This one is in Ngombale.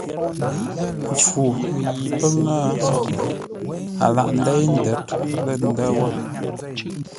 Mpfu yi pə́ ŋə́, a lâghʼ ńdéi ńdə̌r lə̂ ndə̂ wə̂.